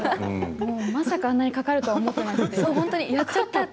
まさか、あんなにかかると思ってなくて。